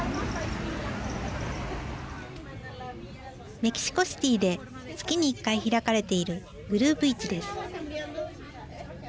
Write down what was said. メキシコシティーで月に１回開かれているグループ市です。